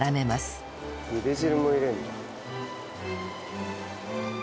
茹で汁も入れるんだ。